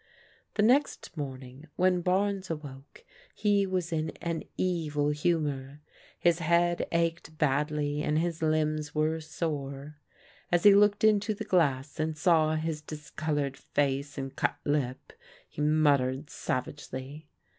The next morning when Barnes awoke he was in an evil humour. His head ached badly and his limbs were sore. As he looked into the glass and saw his discol oured face and cut lip, he muttered savagely.